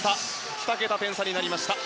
２桁点差になりました。